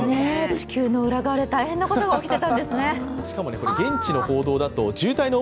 地球の裏側で大変なことが起きてたんですね